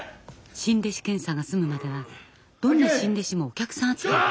新弟子検査が済むまではどんな新弟子もお客さん扱いです。